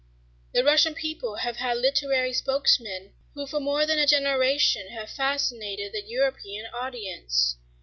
The Russian people have had literary spokesmen who for more than a generation have fascinated the European audience.